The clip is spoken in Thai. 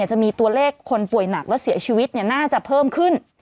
จะมีตัวเลขคนป่วยหนักและเสียชีวิตน่าจะเพิ่มขึ้น